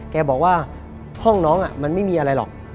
แกบอกว่าห้องน้องมันไม่มีอะไรหรอก